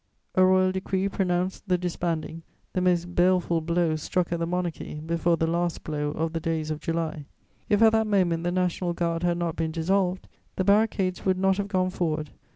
A royal decree pronounced the disbanding, the most baleful blow struck at the Monarchy before the last blow of the days of July: if, at that moment, the National Guard had not been dissolved, the barricades would not have gone forward.